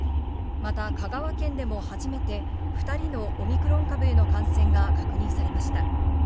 また香川県でも初めて２人のオミクロン株への感染が確認されました。